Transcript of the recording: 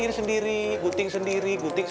ini sendiri gunting sendiri